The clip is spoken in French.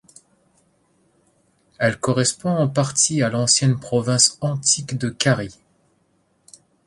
Elle correspond en partie à l'ancienne province antique de Carie.